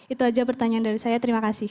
itu aja pertanyaan dari saya terima kasih